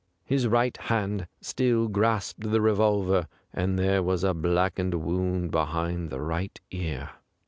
His right hand still grasped the revolver, and there was a blackened wound behind the right ear.